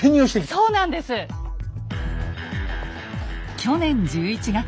去年１１月。